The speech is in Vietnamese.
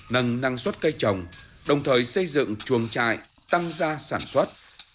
nâng năng suất cây trồng đồng thời xây dựng chuồng trại tăng gia sản xuất